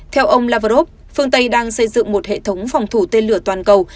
theo ông lavrov phương tây đang xây dựng một hệ thống phòng thủ tên lửa toàn cầu